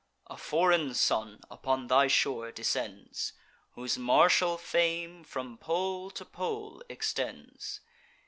A foreign son upon thy shore descends, Whose martial fame from pole to pole extends.